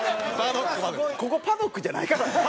ここパドックじゃないからね。